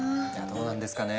どうなんですかね。